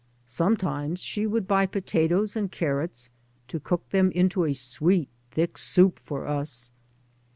Some times she would buy potatoes and carrots, to cook them into a sweet, thick soup for us.